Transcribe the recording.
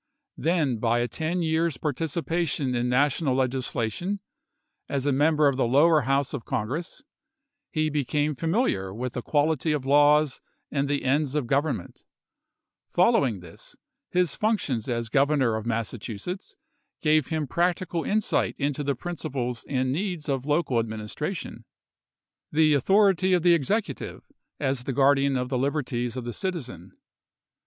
Then by a ten years' participation in National legislation as a member of the lower House of Congress, he became familiar with the quality of laws and the ends of government. Fol lowing this, his functions as Governor of Massa chusetts gave him practical insight into the principles and needs of local administration ; the GENERAL JAMES LONGSTREET. LINCOLN'S GETTYSBURG ADDRESS 193 authority of the Executive, as the guardian of chap.vii. the liberties of the citizen.